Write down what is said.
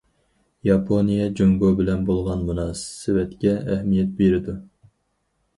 ياپونىيە جۇڭگو بىلەن بولغان مۇناسىۋەتكە ئەھمىيەت بېرىدۇ.